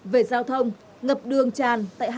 về giao thông ngập đường tràn